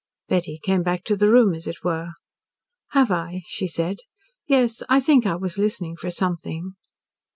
Betty came back to the room, as it were. "Have I," she said. "Yes, I think I was listening for something."